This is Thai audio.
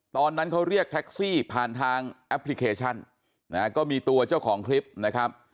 ตอนนั้นเขาเรียกแท็กซี่ผ่านทางแอปพลิเคชันนะฮะก็มีตัวเจ้าของคลิปนะครับ